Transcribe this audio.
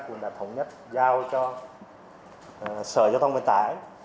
cũng đã thống nhất giao cho sở cho thông viên tài